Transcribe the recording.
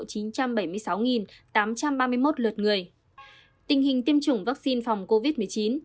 tình hình tiêm chủng vaccine phòng covid một mươi chín